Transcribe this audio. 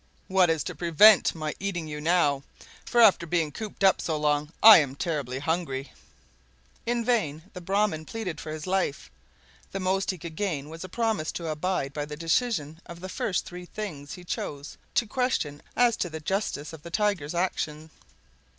What is to prevent my eating you now, for after being cooped up so long I am terribly hungry!" In vain the Brahman Pleaded for his life; the most he could gain was a promise to abide by the decision of the first three things he chose to question as to the justice of the Tiger's action.